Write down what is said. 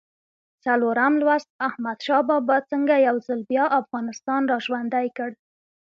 څلورم لوست: احمدشاه بابا څنګه یو ځل بیا افغانستان را ژوندی کړ؟